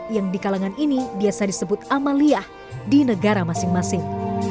yang di kalangan ini biasa disebut amaliyah di negara masing masing